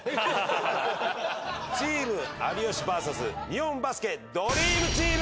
チーム有吉バーサス日本バスケドリームチーム！